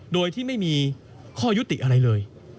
โดยที่ไม่มีข้อยุติอะไรเลย